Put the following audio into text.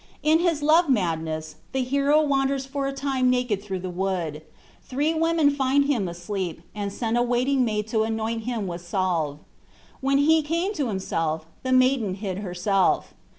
In his love madness, the hero wanders for a time naked through the wood; three women find him asleep, and send a waiting maid to annoint him with salve; when he came to himself, the maiden hid herself.